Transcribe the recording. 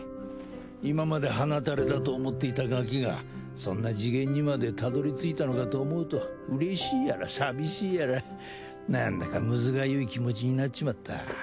今までハナタレだと思っていたガキがそんな次元にまでたどり着いたのかと思うとうれしいやら寂しいやらなんだかむずがゆい気持ちになっちまった。